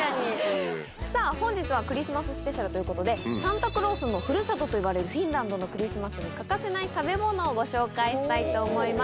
さぁ本日はクリスマススペシャルということでサンタクロースのふるさとといわれるフィンランドのクリスマスに欠かせない食べ物をご紹介したいと思います。